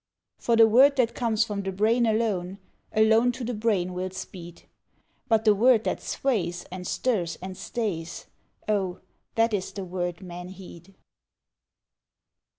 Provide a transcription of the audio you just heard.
For the word that comes from the brain alone, Alone to the brain will speed; But the word that sways, and stirs, and stays, Oh! that is the word men heed.